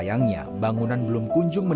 ya apalagi kalau musim hujan gitu